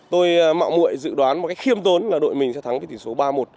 tôi mạo mụi dự đoán một cách khiêm tốn là đội mình sẽ thắng với tỉ số ba một